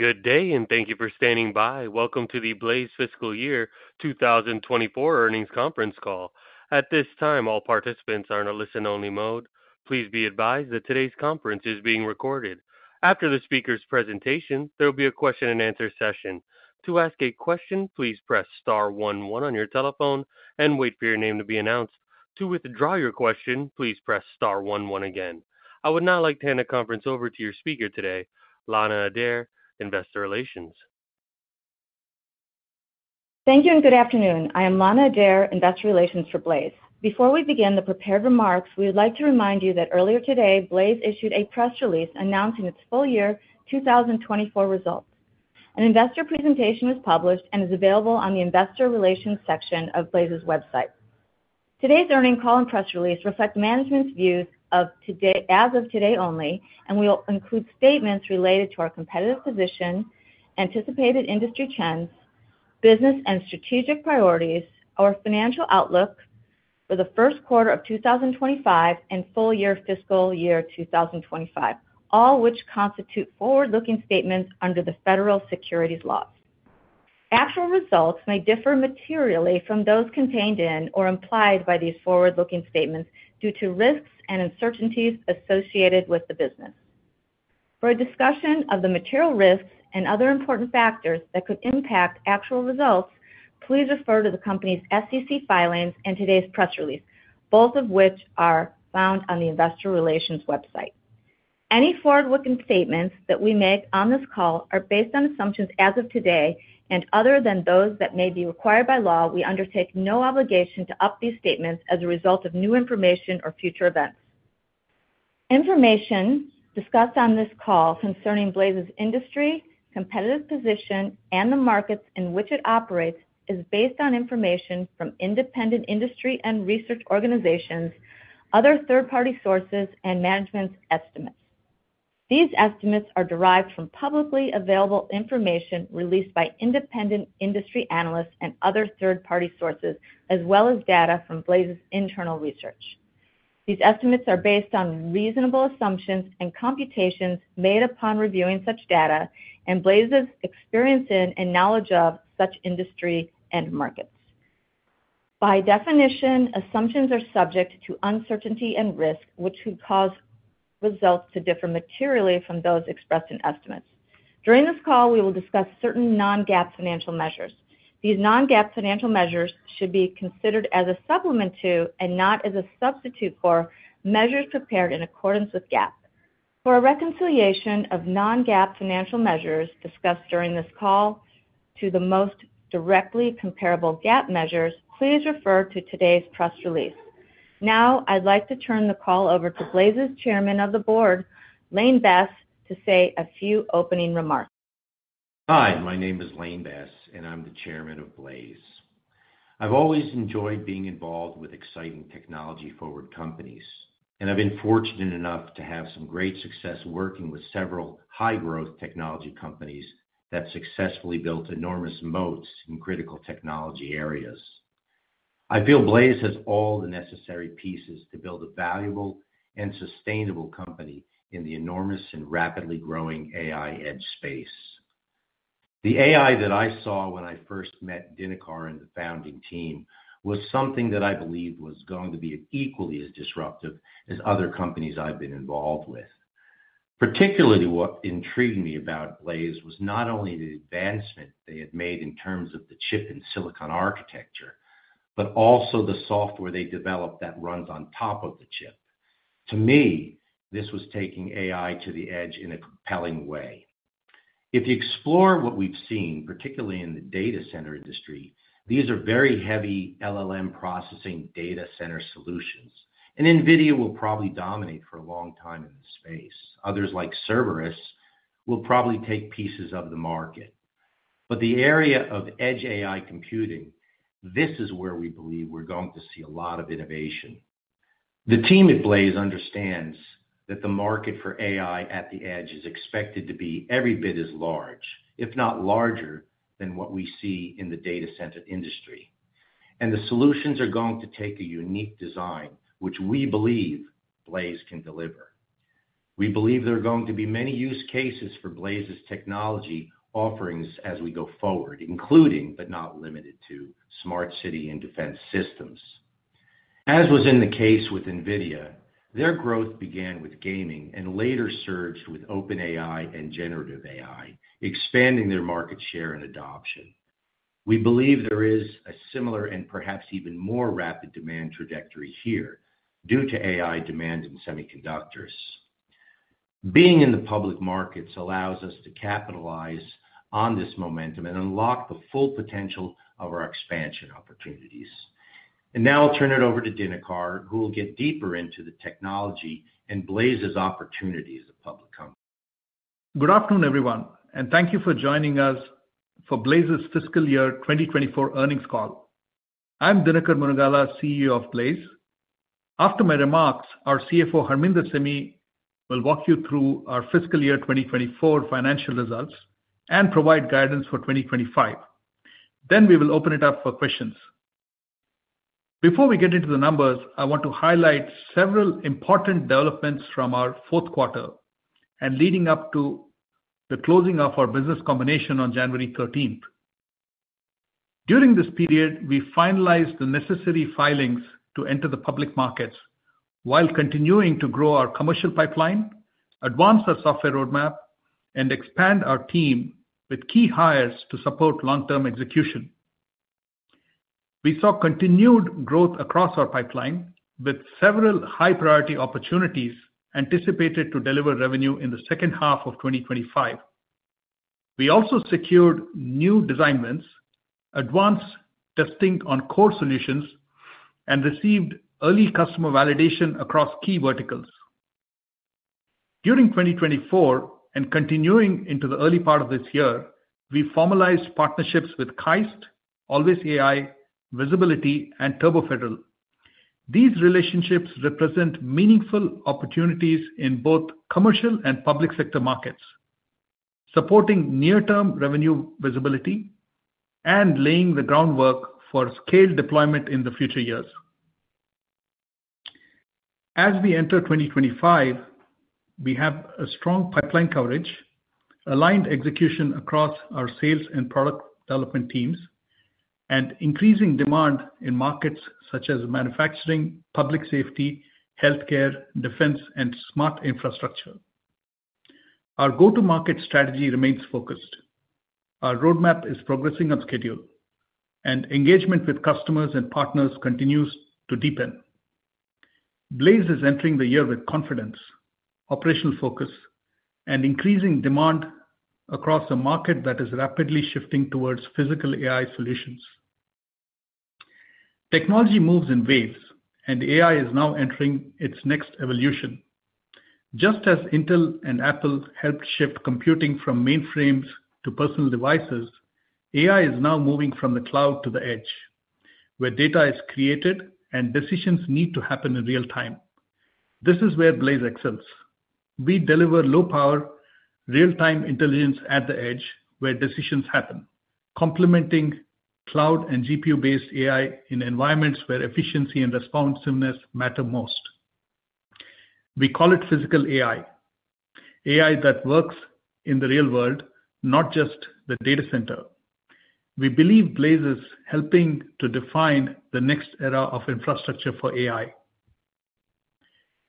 Good day, and thank you for standing by. Welcome to the Blaize Fiscal Year 2024 Earnings Conference Call. At this time, all participants are in a listen-only mode. Please be advised that today's conference is being recorded. After the speaker's presentation, there will be a question-and-answer session. To ask a question, please press Star 11 on your telephone and wait for your name to be announced. To withdraw your question, please press Star 11 again. I would now like to hand the conference over to your speaker today, Lana Adair, Investor Relations. Thank you and good afternoon. I am Lana Adair, Investor Relations for Blaize. Before we begin the prepared remarks, we would like to remind you that earlier today, Blaize issued a press release announcing its full year 2024 results. An investor presentation was published and is available on the Investor Relations section of Blaize's website. Today's earnings call and press release reflect management's views as of today only, and we will include statements related to our competitive position, anticipated industry trends, business and strategic priorities, our financial outlook for the first quarter of 2025, and full year fiscal year 2025, all which constitute forward-looking statements under the federal securities laws. Actual results may differ materially from those contained in or implied by these forward-looking statements due to risks and uncertainties associated with the business. For a discussion of the material risks and other important factors that could impact actual results, please refer to the company's SEC filings and today's press release, both of which are found on the Investor Relations website. Any forward-looking statements that we make on this call are based on assumptions as of today and other than those that may be required by law. We undertake no obligation to update these statements as a result of new information or future events. Information discussed on this call concerning Blaize's industry, competitive position, and the markets in which it operates is based on information from independent industry and research organizations, other third-party sources, and management's estimates. These estimates are derived from publicly available information released by independent industry analysts and other third-party sources, as well as data from Blaize's internal research. These estimates are based on reasonable assumptions and computations made upon reviewing such data and Blaize's experience in and knowledge of such industry and markets. By definition, assumptions are subject to uncertainty and risk, which could cause results to differ materially from those expressed in estimates. During this call, we will discuss certain non-GAAP financial measures. These non-GAAP financial measures should be considered as a supplement to and not as a substitute for measures prepared in accordance with GAAP. For a reconciliation of non-GAAP financial measures discussed during this call to the most directly comparable GAAP measures, please refer to today's press release. Now, I'd like to turn the call over to Blaize's Chairman of the Board, Lane Bess, to say a few opening remarks. Hi, my name is Lane Bess, and I'm the Chairman of Blaize. I've always enjoyed being involved with exciting technology-forward companies, and I've been fortunate enough to have some great success working with several high-growth technology companies that successfully built enormous moats in critical technology areas. I feel Blaize has all the necessary pieces to build a valuable and sustainable company in the enormous and rapidly growing AI edge space. The AI that I saw when I first met Dinakar and the founding team was something that I believed was going to be equally as disruptive as other companies I've been involved with. Particularly, what intrigued me about Blaize was not only the advancement they had made in terms of the chip and silicon architecture, but also the software they developed that runs on top of the chip. To me, this was taking AI to the edge in a compelling way. If you explore what we've seen, particularly in the data center industry, these are very heavy LLM processing data center solutions, and NVIDIA will probably dominate for a long time in this space. Others like Cerebras will probably take pieces of the market. The area of edge AI computing, this is where we believe we're going to see a lot of innovation. The team at Blaize understands that the market for AI at the edge is expected to be every bit as large, if not larger, than what we see in the data center industry. The solutions are going to take a unique design, which we believe Blaize can deliver. We believe there are going to be many use cases for Blaize's technology offerings as we go forward, including, but not limited to, smart city and defense systems. As was in the case with NVIDIA, their growth began with gaming and later surged with OpenAI and generative AI, expanding their market share and adoption. We believe there is a similar and perhaps even more rapid demand trajectory here due to AI demand in semiconductors. Being in the public markets allows us to capitalize on this momentum and unlock the full potential of our expansion opportunities. Now I'll turn it over to Dinakar, who will get deeper into the technology and Blaize's opportunity as a public company. Good afternoon, everyone, and thank you for joining us for Blaize's Fiscal Year 2024 Earnings Call. I'm Dinakar Munagala, CEO of Blaize. After my remarks, our CFO, Harminder Sehmi, will walk you through our Fiscal Year 2024 financial results and provide guidance for 2025. We will open it up for questions. Before we get into the numbers, I want to highlight several important developments from our fourth quarter and leading up to the closing of our business combination on January 13. During this period, we finalized the necessary filings to enter the public markets while continuing to grow our commercial pipeline, advance our software roadmap, and expand our team with key hires to support long-term execution. We saw continued growth across our pipeline with several high-priority opportunities anticipated to deliver revenue in the second half of 2025. We also secured new design wins, advanced testing on core solutions, and received early customer validation across key verticals. During 2024 and continuing into the early part of this year, we formalized partnerships with KAIST, AlwaysAI, Vcinity, and Trovon Federal. These relationships represent meaningful opportunities in both commercial and public sector markets, supporting near-term revenue visibility and laying the groundwork for scale deployment in the future years. As we enter 2025, we have a strong pipeline coverage, aligned execution across our sales and product development teams, and increasing demand in markets such as manufacturing, public safety, healthcare, defense, and smart infrastructure. Our go-to-market strategy remains focused. Our roadmap is progressing on schedule, and engagement with customers and partners continues to deepen. Blaize is entering the year with confidence, operational focus, and increasing demand across a market that is rapidly shifting towards Physical AI solutions. Technology moves in waves, and AI is now entering its next evolution. Just as Intel and Apple helped shift computing from mainframes to personal devices, AI is now moving from the cloud to the edge, where data is created and decisions need to happen in real time. This is where Blaize excels. We deliver low-power real-time intelligence at the edge where decisions happen, complementing cloud and GPU-based AI in environments where efficiency and responsiveness matter most. We call it Physical AI, AI that works in the real world, not just the data center. We believe Blaize is helping to define the next era of infrastructure for AI.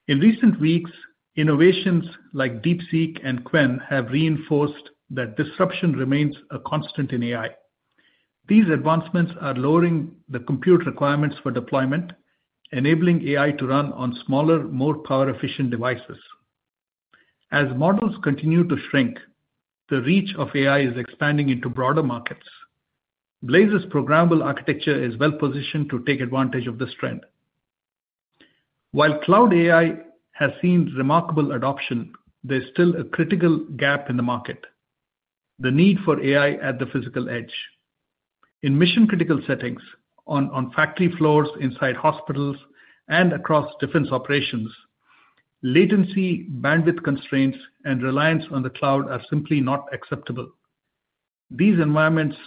In recent weeks, innovations like DeepSeek and Qwen have reinforced that disruption remains a constant in AI. These advancements are lowering the compute requirements for deployment, enabling AI to run on smaller, more power-efficient devices. As models continue to shrink, the reach of AI is expanding into broader markets. Blaize's programmable architecture is well-positioned to take advantage of this trend. While cloud AI has seen remarkable adoption, there's still a critical gap in the market: the need for AI at the physical edge. In mission-critical settings, on factory floors, inside hospitals, and across defense operations, latency, bandwidth constraints, and reliance on the cloud are simply not acceptable. These environments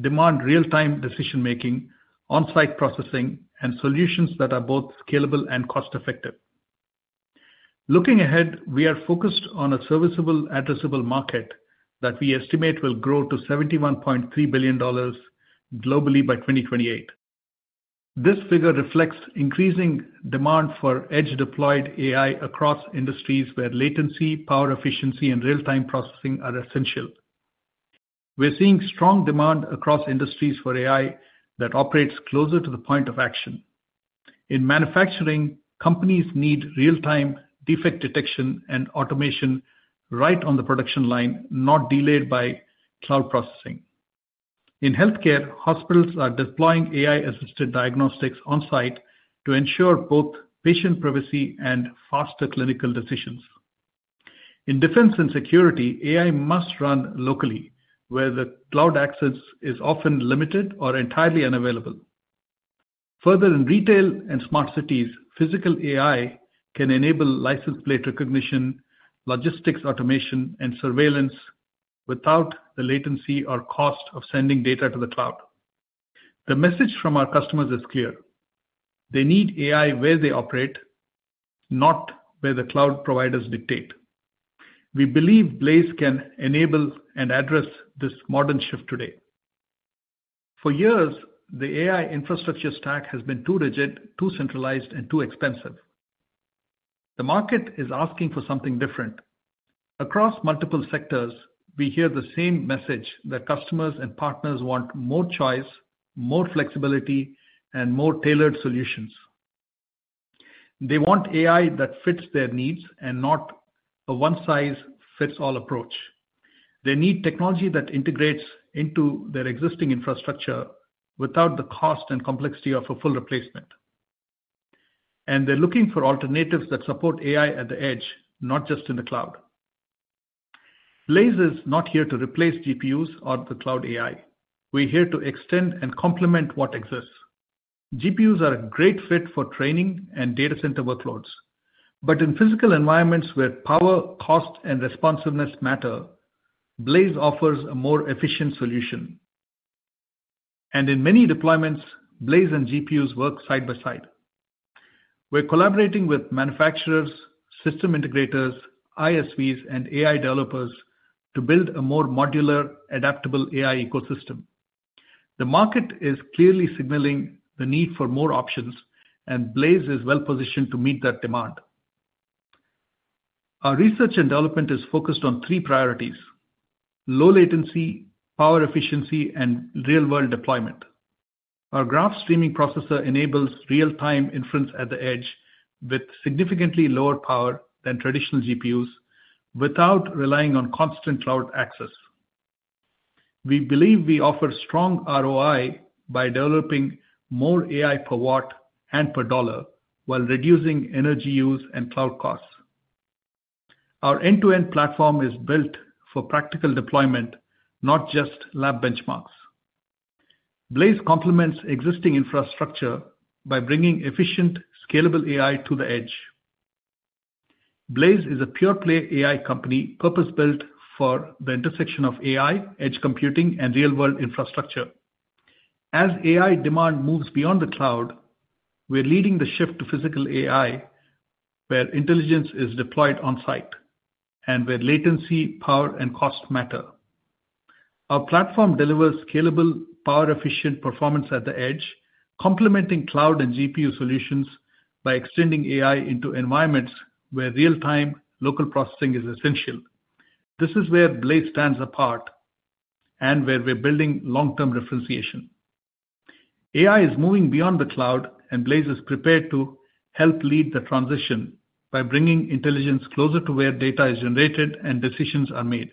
demand real-time decision-making, on-site processing, and solutions that are both scalable and cost-effective. Looking ahead, we are focused on a serviceable, addressable market that we estimate will grow to $71.3 billion globally by 2028. This figure reflects increasing demand for edge-deployed AI across industries where latency, power efficiency, and real-time processing are essential. We're seeing strong demand across industries for AI that operates closer to the point of action. In manufacturing, companies need real-time defect detection and automation right on the production line, not delayed by cloud processing. In healthcare, hospitals are deploying AI-assisted diagnostics on-site to ensure both patient privacy and faster clinical decisions. In defense and security, AI must run locally, where the cloud access is often limited or entirely unavailable. Further, in retail and smart cities, Physical AI can enable license plate recognition, logistics automation, and surveillance without the latency or cost of sending data to the cloud. The message from our customers is clear: they need AI where they operate, not where the cloud providers dictate. We believe Blaize can enable and address this modern shift today. For years, the AI infrastructure stack has been too rigid, too centralized, and too expensive. The market is asking for something different. Across multiple sectors, we hear the same message: that customers and partners want more choice, more flexibility, and more tailored solutions. They want AI that fits their needs and not a one-size-fits-all approach. They need technology that integrates into their existing infrastructure without the cost and complexity of a full replacement. They're looking for alternatives that support AI at the edge, not just in the cloud. Blaize is not here to replace GPUs or the cloud AI. We're here to extend and complement what exists. GPUs are a great fit for training and data center workloads. In physical environments where power, cost, and responsiveness matter, Blaize offers a more efficient solution. In many deployments, Blaize and GPUs work side by side. We're collaborating with manufacturers, system integrators, ISVs, and AI developers to build a more modular, adaptable AI ecosystem. The market is clearly signaling the need for more options, and Blaize is well-positioned to meet that demand. Our research and development is focused on three priorities: low latency, power efficiency, and real-world deployment. Our Graph Streaming Processor enables real-time inference at the edge with significantly lower power than traditional GPUs without relying on constant cloud access. We believe we offer strong ROI by developing more AI per watt and per dollar while reducing energy use and cloud costs. Our end-to-end platform is built for practical deployment, not just lab benchmarks. Blaize complements existing infrastructure by bringing efficient, scalable AI to the edge. Blaize is a pure-play AI company purpose-built for the intersection of AI, edge computing, and real-world infrastructure. As AI demand moves beyond the cloud, we're leading the shift to Physical AI where intelligence is deployed on-site and where latency, power, and cost matter. Our platform delivers scalable, power-efficient performance at the edge, complementing cloud and GPU solutions by extending AI into environments where real-time local processing is essential. This is where Blaize stands apart and where we're building long-term differentiation. AI is moving beyond the cloud, and Blaize is prepared to help lead the transition by bringing intelligence closer to where data is generated and decisions are made.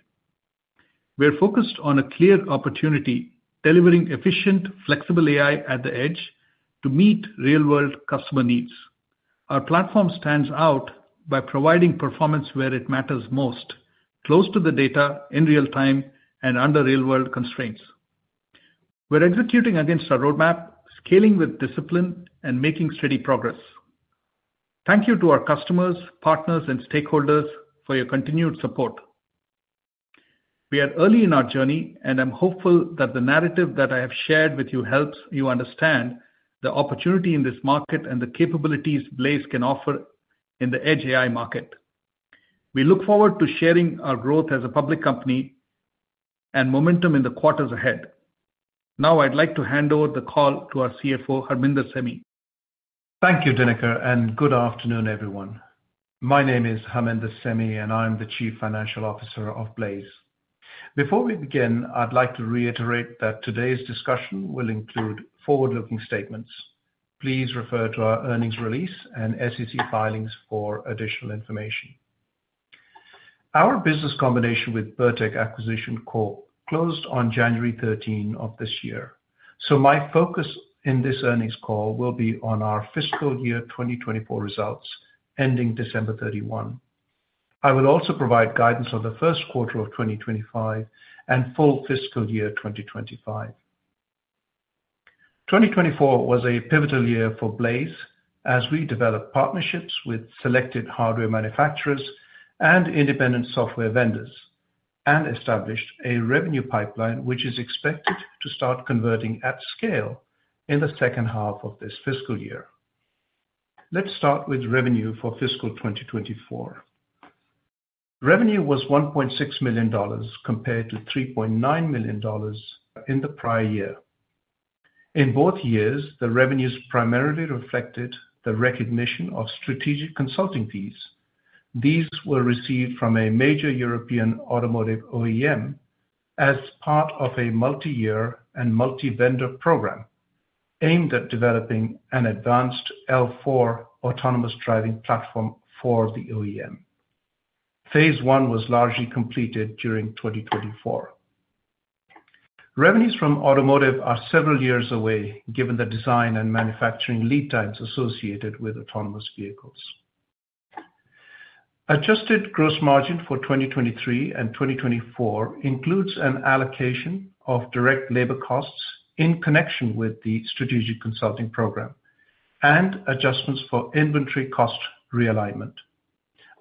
We're focused on a clear opportunity: delivering efficient, flexible AI at the edge to meet real-world customer needs. Our platform stands out by providing performance where it matters most: close to the data, in real time, and under real-world constraints. We're executing against a roadmap, scaling with discipline, and making steady progress. Thank you to our customers, partners, and stakeholders for your continued support. We are early in our journey, and I'm hopeful that the narrative that I have shared with you helps you understand the opportunity in this market and the capabilities Blaize can offer in the edge AI market. We look forward to sharing our growth as a public company and momentum in the quarters ahead. Now, I'd like to hand over the call to our CFO, Harminder Sehmi. Thank you, Dinakar, and good afternoon, everyone. My name is Harminder Sehmi, and I'm the Chief Financial Officer of Blaize. Before we begin, I'd like to reiterate that today's discussion will include forward-looking statements. Please refer to our earnings release and SEC filings for additional information. Our business combination with BurTech Acquisition Corp closed on January 13 of this year. My focus in this earnings call will be on our fiscal year 2024 results ending December 31. I will also provide guidance on the first quarter of 2025 and full fiscal year 2025. 2024 was a pivotal year for Blaize as we developed partnerships with selected hardware manufacturers and independent software vendors and established a revenue pipeline which is expected to start converting at scale in the second half of this fiscal year. Let's start with revenue for fiscal 2024. Revenue was $1.6 million compared to $3.9 million in the prior year. In both years, the revenues primarily reflected the recognition of strategic consulting fees. These were received from a major European automotive OEM as part of a multi-year and multi-vendor program aimed at developing an advanced L4 autonomous driving platform for the OEM. Phase one was largely completed during 2024. Revenues from automotive are several years away, given the design and manufacturing lead times associated with autonomous vehicles. Adjusted gross margin for 2023 and 2024 includes an allocation of direct labor costs in connection with the strategic consulting program and adjustments for inventory cost realignment.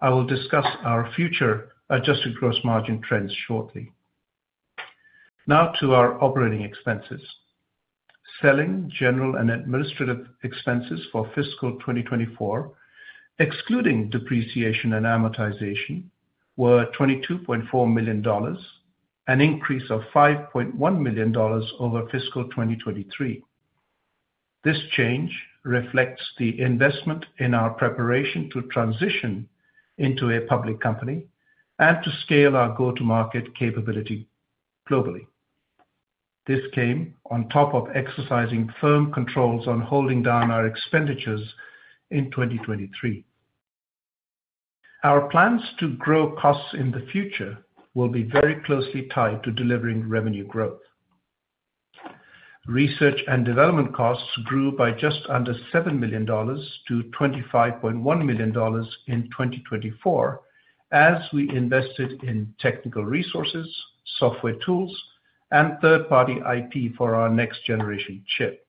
I will discuss our future adjusted gross margin trends shortly. Now to our operating expenses. Selling, general and administrative expenses for fiscal 2024, excluding depreciation and amortization, were $22.4 million, an increase of $5.1 million over fiscal 2023. This change reflects the investment in our preparation to transition into a public company and to scale our go-to-market capability globally. This came on top of exercising firm controls on holding down our expenditures in 2023. Our plans to grow costs in the future will be very closely tied to delivering revenue growth. Research and development costs grew by just under $7 million to $25.1 million in 2024 as we invested in technical resources, software tools, and third-party IP for our next-generation chip.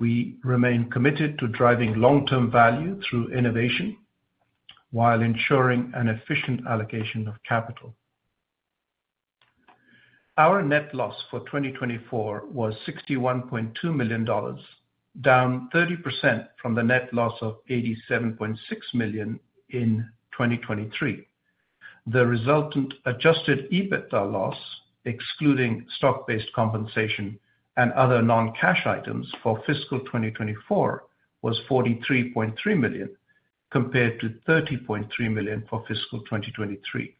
We remain committed to driving long-term value through innovation while ensuring an efficient allocation of capital. Our net loss for 2024 was $61.2 million, down 30% from the net loss of $87.6 million in 2023. The resultant adjusted EBITDA loss, excluding stock-based compensation and other non-cash items for fiscal 2024, was $43.3 million, compared to $30.3 million for fiscal 2023.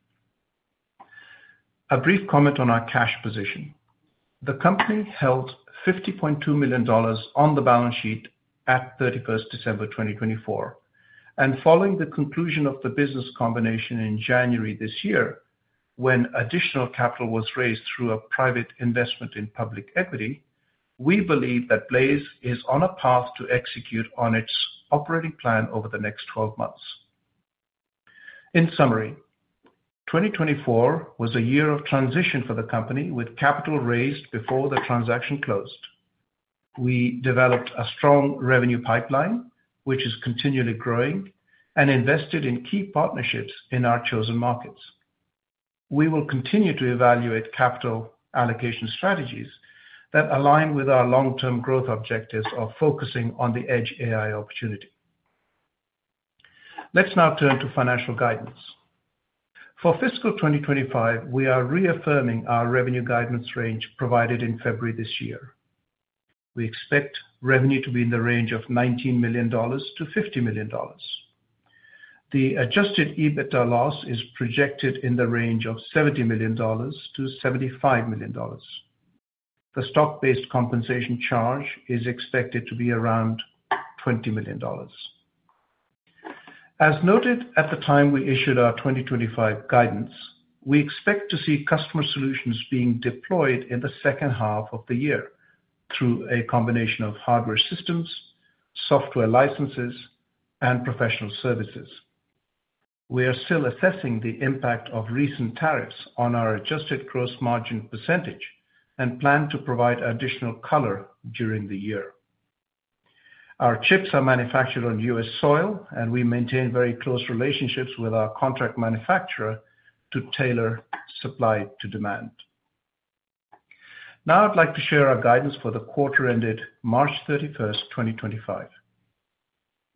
A brief comment on our cash position. The company held $50.2 million on the balance sheet at 31st December 2024. Following the conclusion of the business combination in January this year, when additional capital was raised through a private investment in public equity, we believe that Blaize is on a path to execute on its operating plan over the next 12 months. In summary, 2024 was a year of transition for the company with capital raised before the transaction closed. We developed a strong revenue pipeline, which is continually growing, and invested in key partnerships in our chosen markets. We will continue to evaluate capital allocation strategies that align with our long-term growth objectives of focusing on the edge AI opportunity. Let's now turn to financial guidance. For fiscal 2025, we are reaffirming our revenue guidance range provided in February this year. We expect revenue to be in the range of $19 million-$50 million. The adjusted EBITDA loss is projected in the range of $70 million-$75 million. The stock-based compensation charge is expected to be around $20 million. As noted at the time we issued our 2025 guidance, we expect to see customer solutions being deployed in the second half of the year through a combination of hardware systems, software licenses, and professional services. We are still assessing the impact of recent tariffs on our adjusted gross margin % and plan to provide additional color during the year. Our chips are manufactured on US soil, and we maintain very close relationships with our contract manufacturer to tailor supply to demand. Now, I'd like to share our guidance for the quarter ended March 31, 2025.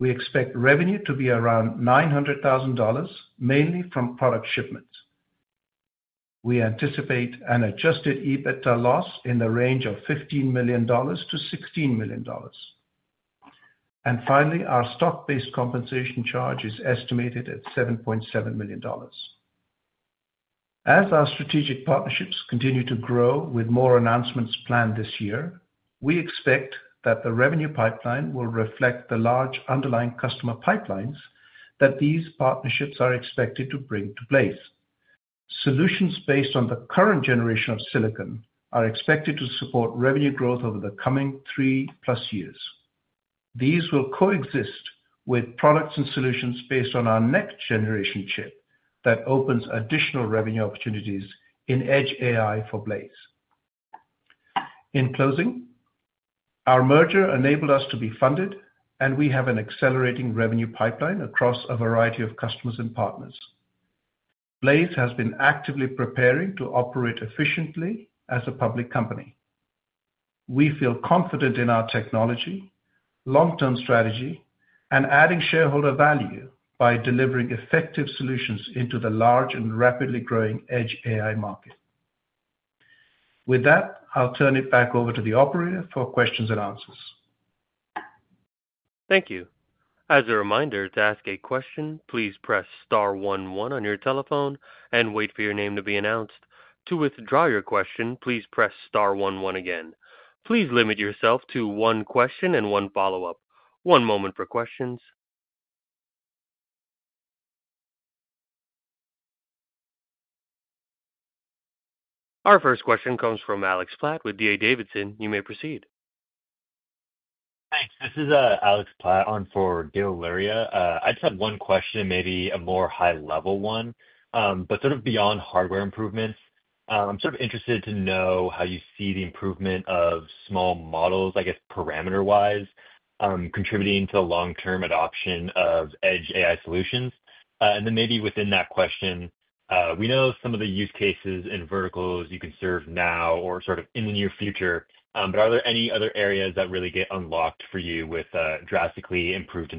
We expect revenue to be around $900,000, mainly from product shipments. We anticipate an adjusted EBITDA loss in the range of $15 million-$16 million. Finally, our stock-based compensation charge is estimated at $7.7 million. As our strategic partnerships continue to grow with more announcements planned this year, we expect that the revenue pipeline will reflect the large underlying customer pipelines that these partnerships are expected to bring to place. Solutions based on the current generation of silicon are expected to support revenue growth over the coming three plus years. These will coexist with products and solutions based on our next-generation chip that opens additional revenue opportunities in edge AI for Blaize. In closing, our merger enabled us to be funded, and we have an accelerating revenue pipeline across a variety of customers and partners. Blaize has been actively preparing to operate efficiently as a public company. We feel confident in our technology, long-term strategy, and adding shareholder value by delivering effective solutions into the large and rapidly growing edge AI market. With that, I'll turn it back over to the operator for questions and answers. Thank you. As a reminder, to ask a question, please press Star 11 on your telephone and wait for your name to be announced. To withdraw your question, please press Star 11 again. Please limit yourself to one question and one follow-up. One moment for questions. Our first question comes from Alex Platt with D.A. Davidson. You may proceed. Thanks. This is Alex Platt on for Gil Luria. I just have one question, maybe a more high-level one, but sort of beyond hardware improvements. I'm sort of interested to know how you see the improvement of small models, I guess, parameter-wise, contributing to the long-term adoption of edge AI solutions. Within that question, we know some of the use cases and verticals you can serve now or sort of in the near future, but are there any other areas that really get unlocked for you with drastically improved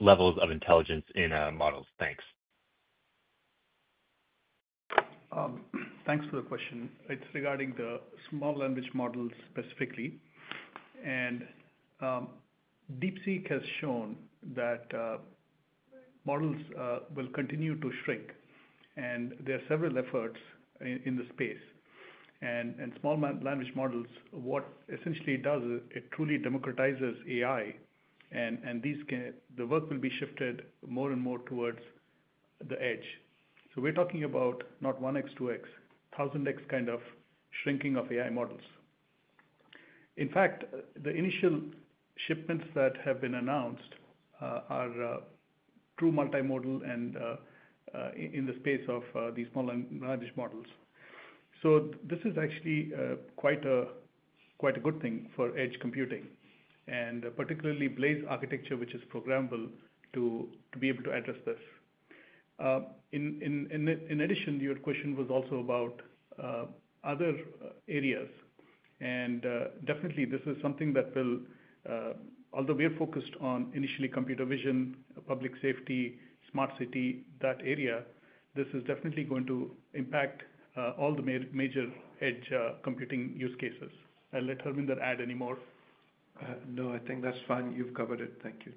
levels of intelligence in models? Thanks. Thanks for the question. It's regarding the small language models specifically. DeepSeek has shown that models will continue to shrink, and there are several efforts in the space. Small language models, what essentially it does is it truly democratizes AI, and the work will be shifted more and more towards the edge. We are talking about not 1x, 2x, 1,000x kind of shrinking of AI models. In fact, the initial shipments that have been announced are true multimodal and in the space of these small language models. This is actually quite a good thing for edge computing, and particularly Blaize architecture, which is programmable to be able to address this. In addition, your question was also about other areas, and definitely this is something that will, although we are focused on initially computer vision, public safety, smart city, that area, this is definitely going to impact all the major edge computing use cases. I'll let Harminder add any more. No, I think that's fine. You've covered it. Thank you.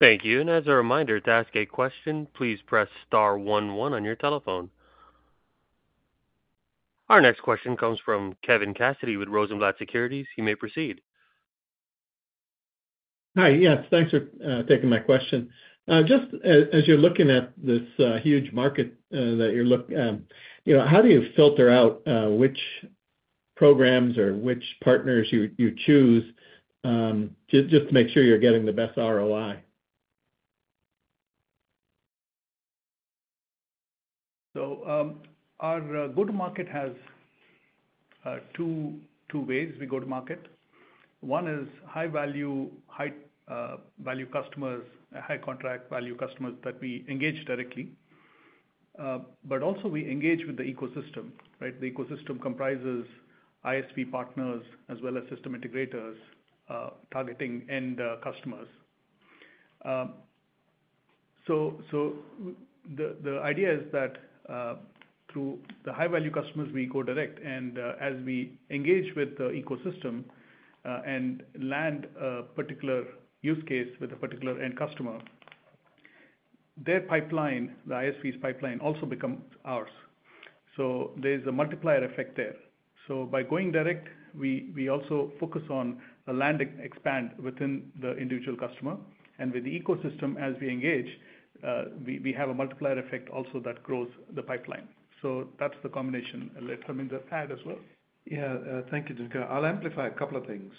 Thank you. As a reminder, to ask a question, please press Star 11 on your telephone. Our next question comes from Kevin Cassidy with Rosenblatt Securities. You may proceed. Hi. Yes, thanks for taking my question. Just as you're looking at this huge market that you're looking at, how do you filter out which programs or which partners you choose just to make sure you're getting the best ROI? Our go-to-market has two ways we go to market. One is high-value customers, high-contract value customers that we engage directly. We also engage with the ecosystem, right? The ecosystem comprises ISV partners as well as system integrators targeting end customers. The idea is that through the high-value customers, we go direct, and as we engage with the ecosystem and land a particular use case with a particular end customer, their pipeline, the ISV's pipeline also becomes ours. There's a multiplier effect there. By going direct, we also focus on a land expand within the individual customer. With the ecosystem, as we engage, we have a multiplier effect also that grows the pipeline. That's the combination. I'll let Harminder add as well. Yeah. Thank you, Dinakar. I'll amplify a couple of things.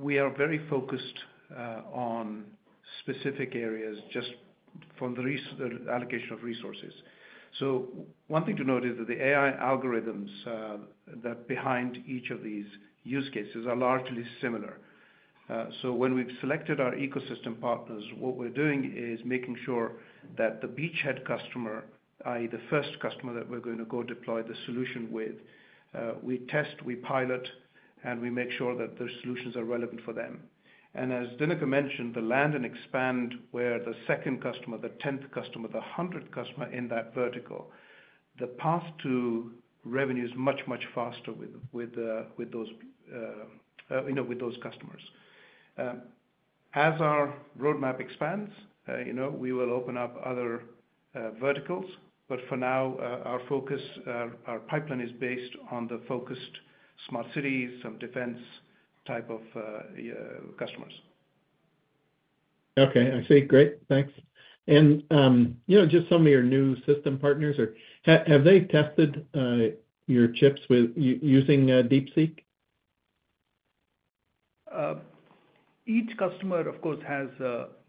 We are very focused on specific areas just from the allocation of resources. One thing to note is that the AI algorithms that are behind each of these use cases are largely similar. When we've selected our ecosystem partners, what we're doing is making sure that the beachhead customer, i.e., the first customer that we're going to go deploy the solution with, we test, we pilot, and we make sure that the solutions are relevant for them. As Dinakar mentioned, the land and expand where the second customer, the 10th customer, the 100th customer in that vertical, the path to revenue is much, much faster with those customers. As our roadmap expands, we will open up other verticals. For now, our focus, our pipeline is based on the focused smart cities, some defense type of customers. Okay. I see. Great. Thanks. Just some of your new system partners, have they tested your chips using DeepSeek? Each customer, of course, has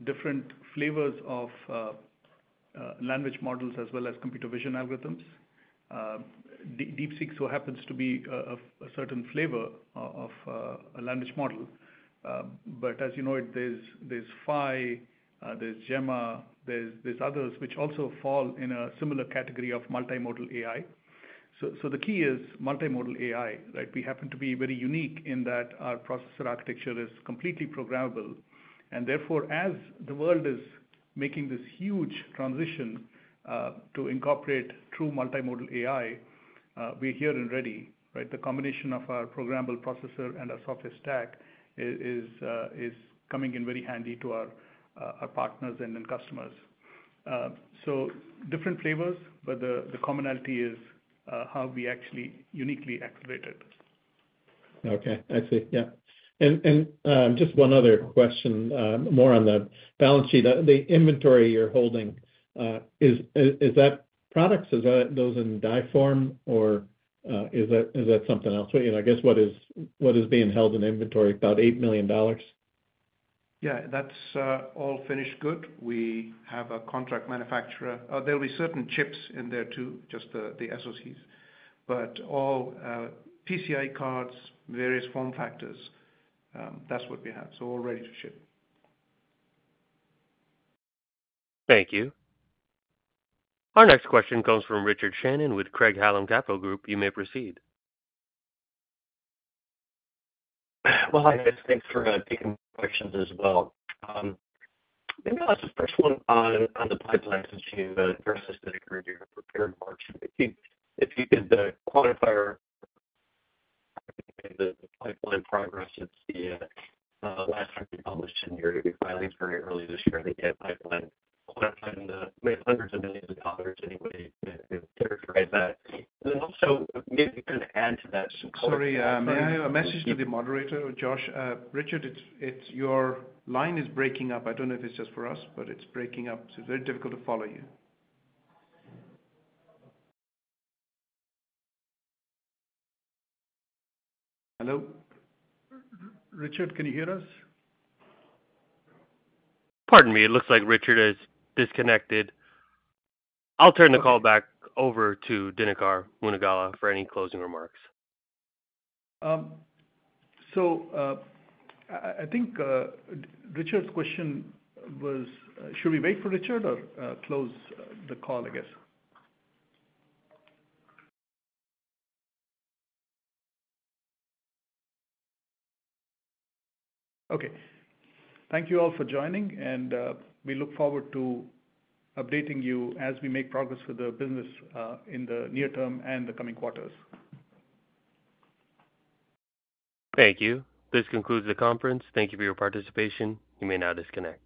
different flavors of language models as well as computer vision algorithms. DeepSeek so happens to be a certain flavor of a language model. As you know, there's Phi, there's Gemma, there's others which also fall in a similar category of multimodal AI. The key is multimodal AI, right? We happen to be very unique in that our processor architecture is completely programmable. Therefore, as the world is making this huge transition to incorporate true multimodal AI, we're here and ready, right? The combination of our programmable processor and our software stack is coming in very handy to our partners and customers. Different flavors, but the commonality is how we actually uniquely accelerate it. Okay. I see. Yeah. Just one other question, more on the balance sheet. The inventory you're holding, is that products? Is that those in die form, or is that something else? I guess what is being held in inventory, about $8 million? Yeah. That's all finished good. We have a contract manufacturer. There'll be certain chips in there too, just the SoCs. All PCI cards, various form factors, that's what we have. All ready to ship. Thank you. Our next question comes from Richard Shannon with Craig-Hallum Capital Group. You may proceed. Hi, guys. Thanks for taking the questions as well. Maybe I'll ask the first one on the pipeline since you've assisted the group. You're prepared for March. If you could quantify the pipeline progress, it's the last time we published in the year that we filed very early this year, the AI pipeline quantified in the hundreds of millions of dollars anyway to characterize that. And then also maybe kind of add to that. Sorry, may I have a message to the moderator, Josh? Richard, your line is breaking up. I don't know if it's just for us, but it's breaking up. It's very difficult to follow you. Hello? Richard, can you hear us? Pardon me. It looks like Richard is disconnected. I'll turn the call back over to Dinakar Munagala for any closing remarks. I think Richard's question was, should we wait for Richard or close the call, I guess? Okay. Thank you all for joining, and we look forward to updating you as we make progress for the business in the near term and the coming quarters. Thank you. This concludes the conference. Thank you for your participation. You may now disconnect.